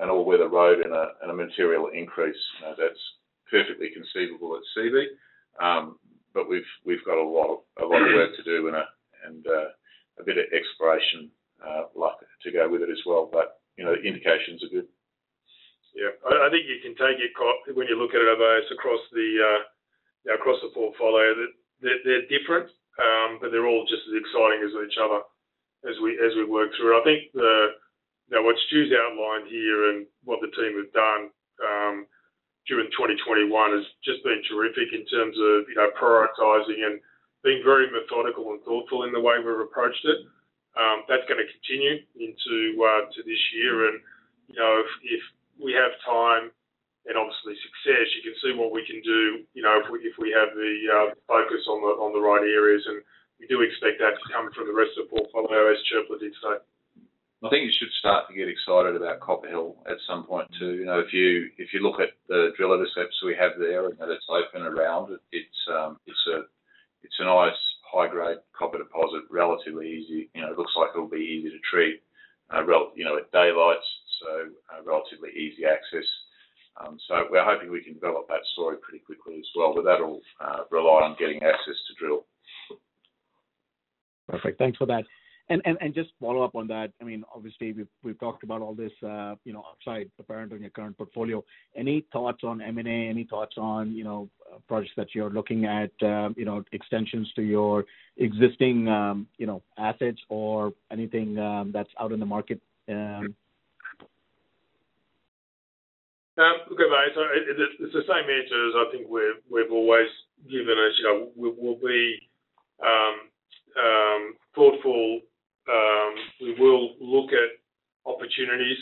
an all-weather road and a material increase. You know, that's perfectly conceivable at Seabee. We've got a lot of work to do and a bit of exploration luck to go with it as well. You know, indications are good. Yeah. I think you can take it, Kos, when you look at it, Ovais, across the, you know, across the portfolio, that they're different, but they're all just as exciting as each other as we work through it. I think the. You know, what Stu's outlined here and what the team have done, during 2021 has just been terrific in terms of, you know, prioritizing and being very methodical and thoughtful in the way we've approached it. That's gonna continue into this year. You know, if we have time and obviously success, you can see what we can do, you know, if we have the focus on the right areas. We do expect that to come from the rest of the portfolio as Çöpler district. I think you should start to get excited about Copper Hill at some point too. You know, if you look at the drill intercepts we have there and that it's open around, it's a nice high grade copper deposit, relatively easy. You know, it looks like it'll be easy to treat, you know, at daylight, so relatively easy access. We're hoping we can develop that story pretty quickly as well, but that'll rely on getting access to drill. Perfect. Thanks for that. Just follow up on that. I mean, obviously, we've talked about all this, you know, outside the parent on your current portfolio. Any thoughts on M&A? Any thoughts on, you know, projects that you're looking at, you know, extensions to your existing, you know, assets or anything, that's out in the market? Look, it's the same answer as I think we've always given us. You know, we'll be thoughtful. We will look at opportunities.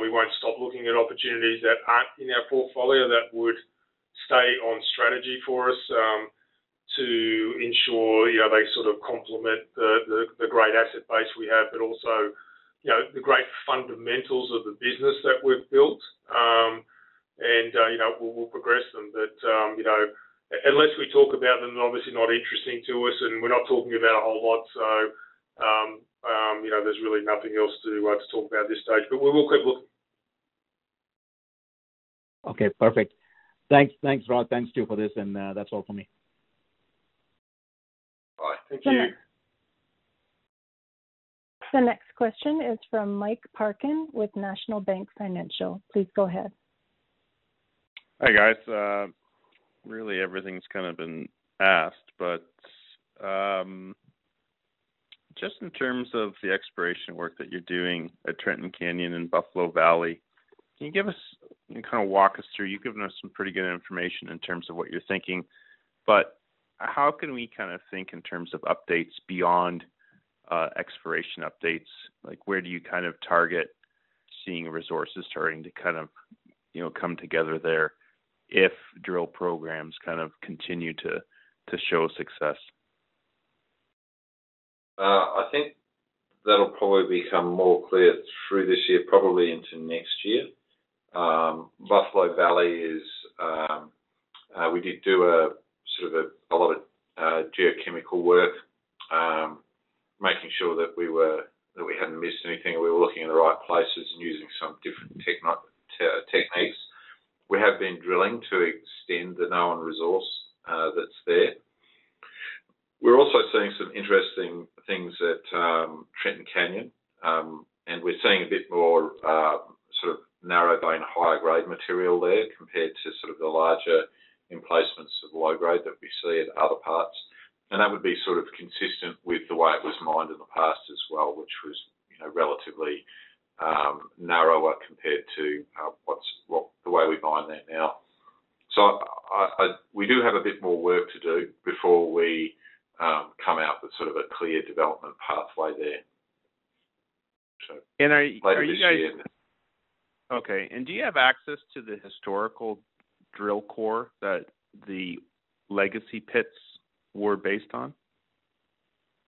We won't stop looking at opportunities that aren't in our portfolio that would stay on strategy for us, to ensure, you know, they sort of complement the great asset base we have, but also, you know, the great fundamentals of the business that we've built. You know, we'll progress them. You know, unless we talk about them, they're obviously not interesting to us, and we're not talking about a whole lot. You know, there's really nothing else to talk about at this stage. We will keep looking. Okay, perfect. Thanks. Thanks, Rod. Thanks to you for this. That's all for me. All right. Thank you. The next question is from Mike Parkin with National Bank Financial. Please go ahead. Hi, guys. Really everything's kind of been asked. Just in terms of the exploration work that you're doing at Trenton Canyon and Buffalo Valley, can you give us, you know, kind of walk us through? You've given us some pretty good information in terms of what you're thinking. How can we kind of think in terms of updates beyond exploration updates? Like, where do you kind of target seeing resources starting to kind of, you know, come together there if drill programs kind of continue to show success? I think that'll probably become more clear through this year, probably into next year. Buffalo Valley is, we did do a sort of a lot of geochemical work, making sure that we were, that we hadn't missed anything, and we were looking in the right places and using some different techniques. We have been drilling to extend the known resource that's there. We're also seeing some interesting things at Trenton Canyon, and we're seeing a bit more sort of narrow vein, higher grade material there compared to sort of the larger emplacements of low grade that we see at other parts. That would be sort of consistent with the way it was mined in the past as well, which was, you know, relatively narrower compared to the way we mine that now. We do have a bit more work to do before we come out with sort of a clear development pathway there. Later this year. Are you guys okay? Do you have access to the historical drill core that the legacy pits were based on?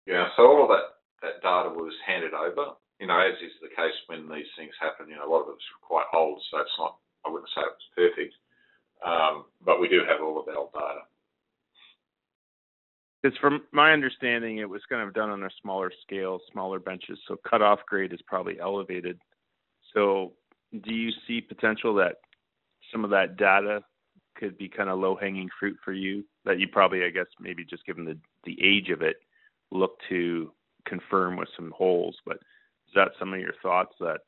Yeah. All of that data was handed over. You know, as is the case when these things happen. You know, a lot of it was quite old, so it's not, I wouldn't say it was perfect. But we do have all of the old data. 'Cause from my understanding, it was kind of done on a smaller scale, smaller benches, so cutoff grade is probably elevated. Do you see potential that some of that data could be kind of low-hanging fruit for you? That you probably, I guess, maybe just given the age of it, look to confirm with some holes. Is that some of your thoughts that,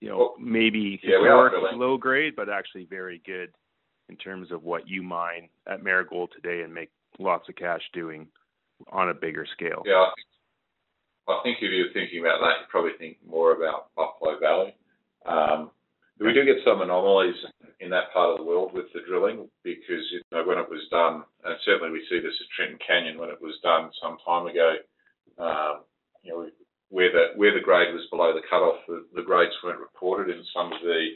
you know, maybe historic low grade. Yeah. Actually very good in terms of what you mine at Marigold today and make lots of cash doing on a bigger scale? Yeah. I think if you're thinking about that, you probably think more about Buffalo Valley. We do get some anomalies in that part of the world with the drilling, because, you know, when it was done, and certainly we see this at Trenton Canyon, when it was done some time ago, you know, where the grade was below the cutoff, the grades weren't reported in some of the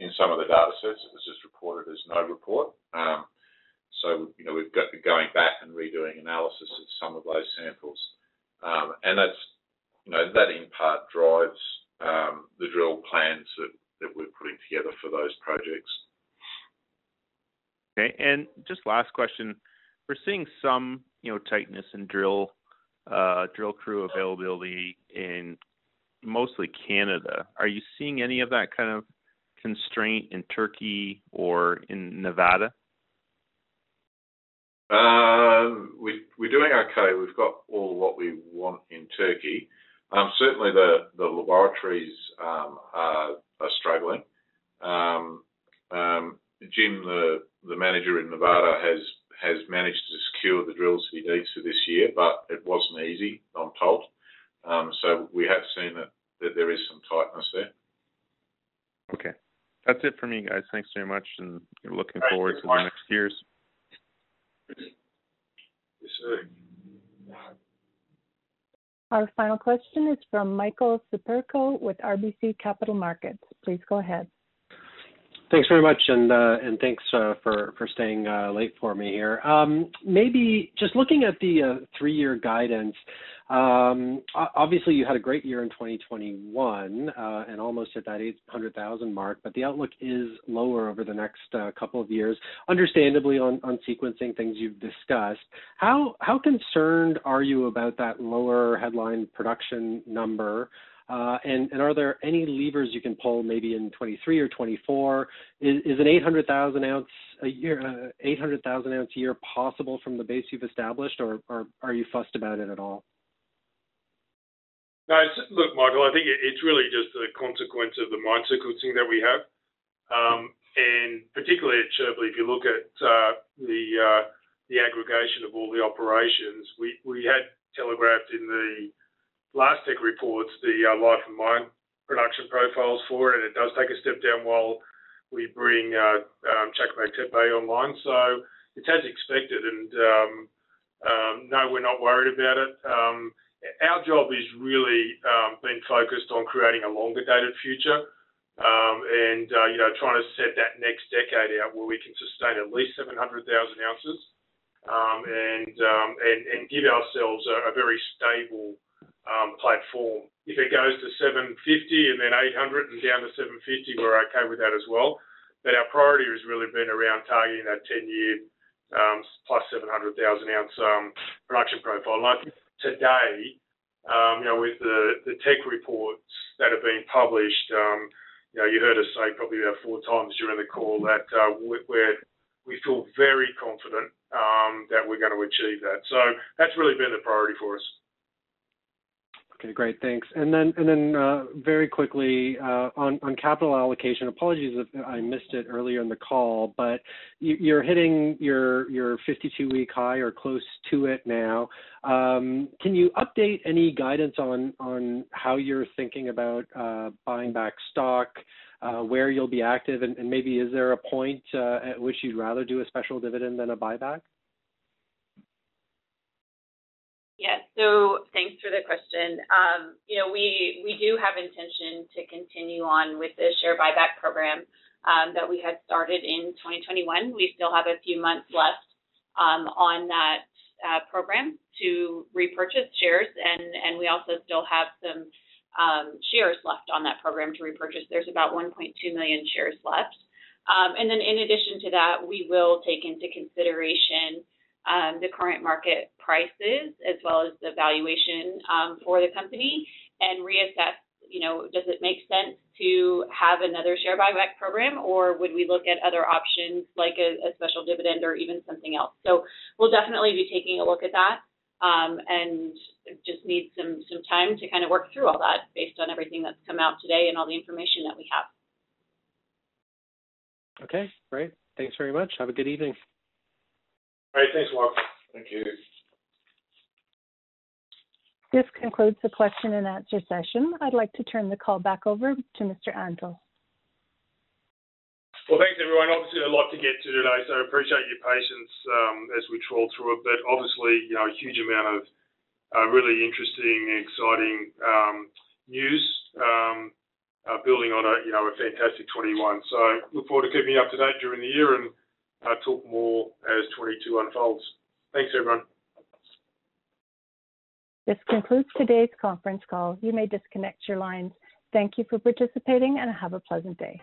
datasets. It was just reported as no report. So, you know, we've got to be going back and redoing analysis of some of those samples. That's, you know, that in part drives the drill plans that we're putting together for those projects. Okay. Just last question, we're seeing some, you know, tightness in drill crew availability in mostly Canada. Are you seeing any of that kind of constraint in Turkey or in Nevada? We're doing okay. We've got all what we want in Turkey. Certainly the laboratories are struggling. Jim, the manager in Nevada, has managed to secure the drills he needs for this year, but it wasn't easy, I'm told. We have seen that there is some tightness there. Okay. That's it for me, guys. Thanks very much, and looking forward to the next years. Thanks. Yes, sir. Our final question is from Michael Sprung with RBC Capital Markets. Please go ahead. Thanks very much. Thanks for staying late for me here. Maybe just looking at the three-year guidance, obviously you had a great year in 2021, and almost at that 800,000 mark, but the outlook is lower over the next couple of years, understandably on sequencing things you've discussed. How concerned are you about that lower headline production number? Are there any levers you can pull maybe in 2023 or 2024? Is an 800,000 ounce a year possible from the base you've established, or are you fussed about it at all? No. Look, Michael, I think it's really just a consequence of the mine sequencing that we have. Particularly at Seabee, if you look at the aggregation of all the operations, we had telegraphed in the public reports the life of mine production profiles for it, and it does take a step down while we bring Çakmaktepe online. It's as expected, and no, we're not worried about it. Our job is really been focused on creating a longer dated future, and you know, trying to set that next decade out where we can sustain at least 700,000 ounces, and give ourselves a very stable platform. If it goes to $750, and then $800, and down to $750, we're okay with that as well. But our priority has really been around targeting that 10-year, plus 700,000-ounce production profile. Like today, you know, with the tech reports that have been published, you know, you heard us say probably about four times during the call that we're, we feel very confident that we're gonna achieve that. So that's really been the priority for us. Okay, great. Thanks. Very quickly, on capital allocation, apologies if I missed it earlier in the call, but you're hitting your 52-week high or close to it now. Can you update any guidance on how you're thinking about buying back stock, where you'll be active, and maybe is there a point at which you'd rather do a special dividend than a buyback? Yes. Thanks for the question. You know, we do have intention to continue on with the share buyback program that we had started in 2021. We still have a few months left on that program to repurchase shares and we also still have some shares left on that program to repurchase. There's about 1.2 million shares left. And then in addition to that, we will take into consideration the current market prices as well as the valuation for the company and reassess, you know, does it make sense to have another share buyback program, or would we look at other options like a special dividend or even something else? We'll definitely be taking a look at that, and just need some time to kinda work through all that based on everything that's come out today and all the information that we have. Okay, great. Thanks very much. Have a good evening. All right. Thanks, Michael. Thank you. This concludes the question and answer session. I'd like to turn the call back over to Mr. Antal. Well, thanks everyone. Obviously a lot to get to today, so appreciate your patience, as we troll through it. Obviously, you know, a huge amount of, really interesting and exciting, news, building on a, you know, a fantastic 2021. Look forward to keeping you up to date during the year and, talk more as 2022 unfolds. Thanks, everyone. This concludes today's conference call. You may disconnect your lines. Thank you for participating, and have a pleasant day.